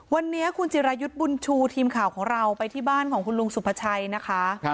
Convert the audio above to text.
วันนี้คุณจิรายุทธ์บุญชูทีมข่าวของเราไปที่บ้านของคุณลุงสุภาชัยนะคะ